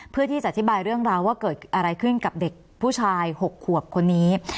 เพื่อที่จะอธิบายเรื่องราวว่าเกิดอะไรขึ้นกับเด็กผู้ชาย๖ขวบคนนี้